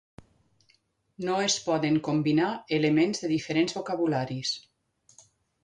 No es poden combinar elements de diferents vocabularis.